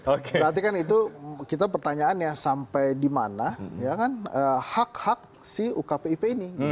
berarti kan itu kita pertanyaan ya sampai dimana hak hak si ukpip ini